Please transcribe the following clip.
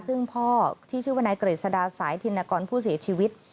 ซึ่งพ่อที่ชื่อว่านายกฤษดาสายธินกรผู้เสียชีวิต